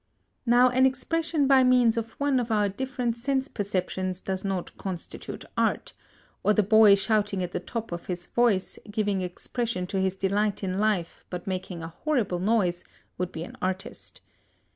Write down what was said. Now an expression by means of one of our different sense perceptions does not constitute art, or the boy shouting at the top of his voice, giving expression to his delight in life but making a horrible noise, would be an artist.